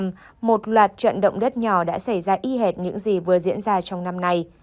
vào năm hai nghìn năm một loạt trận động đất nhỏ đã xảy ra y hệt những gì vừa diễn ra trong năm nay